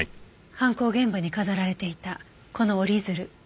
犯行現場に飾られていたこの折り鶴。